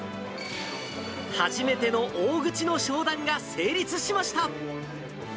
初めての大口の商談が成立しました。